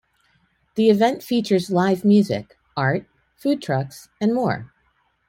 The event features live music, art, food trucks, and more.